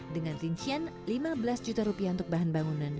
dengan rincian lima belas juta rupiah untuk bahan bangunan